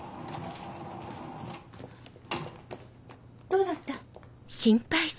どうだった？